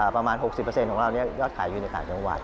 ประมาณ๖๐ของเรายอดขายอยู่ในต่างจังหวัด